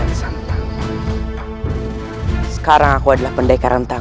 aku yakin sekarang aku bisa membukanya